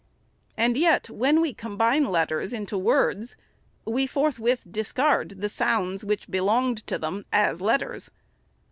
And yet, when we combine letters into words, we forthwith discard the sounds which belonged to them as letters.